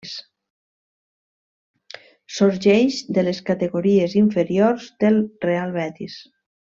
Sorgeix de les categories inferiors del Real Betis.